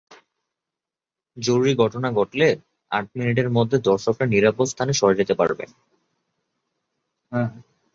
জরুরী ঘটনা ঘটলে আট মিনিটের মধ্যে দর্শকরা নিরাপদ স্থানে সরে যেতে পারবেন।